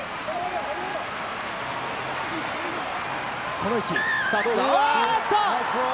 この位置。